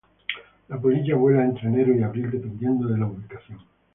La polilla vuela entre enero y abril dependiendo de la ubicación.